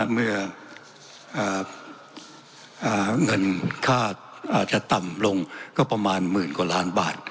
เมื่อเงินค่าอาจจะต่ำลงก็ประมาณหมื่นกว่าล้านบาท